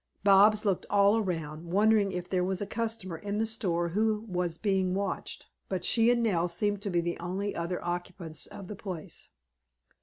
Bobs looked all around, wondering if there was a customer in the store who was being watched, but she and Nell seemed to be the only other occupants of the place.